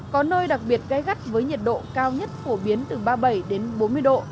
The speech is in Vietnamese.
có nơi đặc biệt gai gắt với nhiệt độ cao nhất phổ biến từ ba mươi bảy đến bốn mươi độ